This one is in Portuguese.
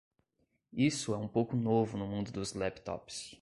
Isso é um pouco novo no mundo dos laptops.